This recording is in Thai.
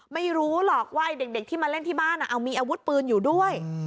ไม่รู้หรอกว่าไอ้เด็กที่มาเล่นที่บ้านเอามีอาวุธปืนอยู่ด้วย